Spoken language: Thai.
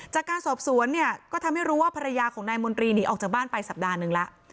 จากการสอบสวนเนี่ยก็ทำให้รู้ว่าภรรยาของนายมนตรีหนีออกจากบ้านไปสัปดาห์นึงแล้ว